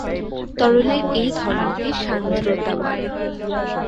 তরলের এই ধর্মকে সান্দ্রতা বলে।